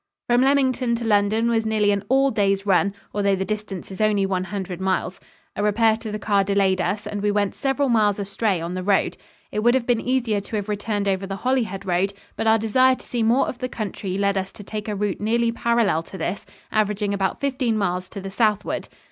From Leamington to London was nearly an all day's run, although the distance is only one hundred miles. A repair to the car delayed us and we went several miles astray on the road. It would have been easier to have returned over the Holyhead Road, but our desire to see more of the country led us to take a route nearly parallel to this, averaging about fifteen miles to the southward.